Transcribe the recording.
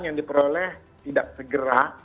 yang diperoleh tidak segera